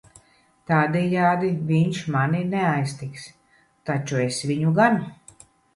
Tādejādi viņš mani neaiztiks, taču es viņu gan.